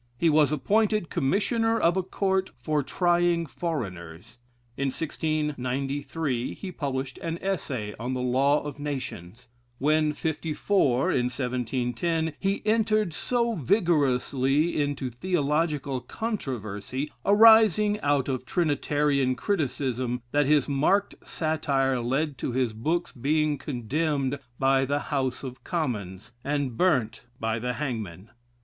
He was appointed Commissioner of a Court for Trying Foreigners. In 1693 he published an essay on the Law of Nations When fifty four, in 1710, he entered so vigorously into theological controversy, arising out of Trinitarian criticism, that his marked satire led to his books being condemned by the House of Commons, and burnt by the hangman.